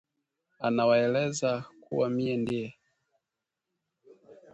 Anawaeleza kuwa miye ndiye